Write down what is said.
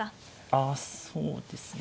ああそうですね